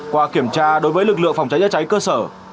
qua kiểm tra đối với lực lượng phòng cháy chữa cháy cơ sở